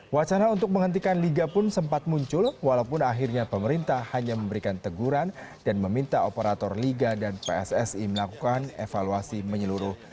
wacana untuk menghentikan liga pun sempat muncul walaupun akhirnya pemerintah hanya memberikan teguran dan meminta operator liga dan pssi melakukan evaluasi menyeluruh